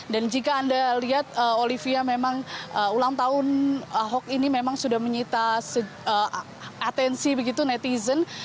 dan jika anda lihat olivia memang ulang tahun hok ini memang sudah menyita atensi begitu netizen